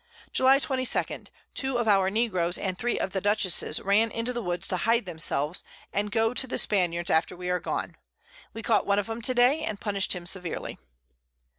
July 22. Two of our Negroes, and three of the Dutchess's ran into the Woods to hide themselves, and go to the Spaniards after we are gone: We caught one of 'em to day, and punish'd him severely.